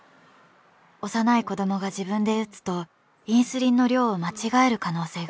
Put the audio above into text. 幼い子どもが自分で打つとインスリンの量を間違える可能性があります。